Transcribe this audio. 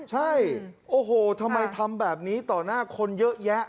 ใช่โอ้โหทำไมทำแบบนี้ต่อหน้าคนเยอะแยะ